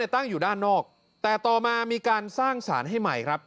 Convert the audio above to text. ตั้งอยู่ด้านนอกแต่ต่อมามีการสร้างสารให้ใหม่ครับ